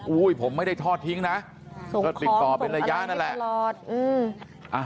ผมไม่ได้ทอดทิ้งนะก็ติดต่อเป็นระยะนั่นแหละ